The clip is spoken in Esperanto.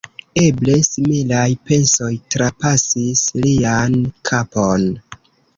Eble similaj pensoj trapasis lian kapon.